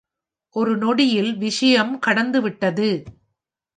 ஒரு நொடியில் விஷயம் கடந்துவிட்டது.